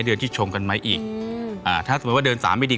เดือนที่ชงกันไว้อีกอ่าถ้าสมมุติว่าเดินสามไม่ดี